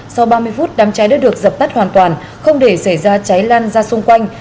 sau ba mươi phút đám cháy đã được dập tắt hoàn toàn không để xảy ra cháy lan ra xung quanh